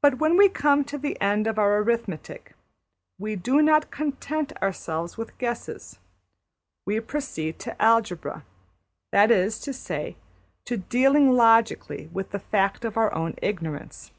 But when we come to the end of our arithmetic we do not content ourselves with guesses; we proceed to algebra that is to say, to dealing logically with the fact of our own ignorance.